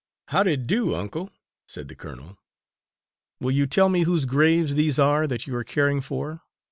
"Howdy do, uncle," said the colonel. "Will you tell me whose graves these are that you are caring for?"